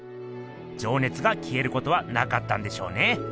じょうねつがきえることはなかったんでしょうね。